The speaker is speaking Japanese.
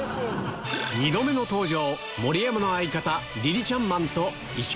２度目の登場